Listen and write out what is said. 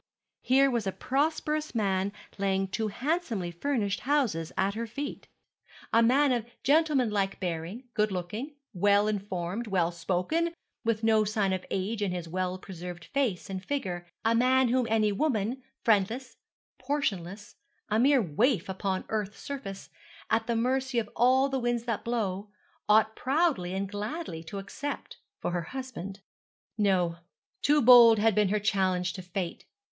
here was a prosperous man laying two handsomely furnished houses at her feet a man of gentlemanlike bearing, good looking, well informed, well spoken, with no signs of age in his well preserved face and figure; a man whom any woman, friendless, portionless, a mere waif upon earth's surface, at the mercy of all the winds that blow, ought proudly and gladly to accept for her husband. No, too bold had been her challenge to fate.